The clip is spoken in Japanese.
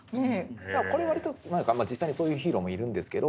これ割と実際にそういうヒーローもいるんですけど。